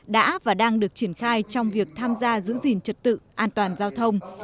đã và đang được triển khai trong việc tham gia giữ gìn trật tự an toàn giao thông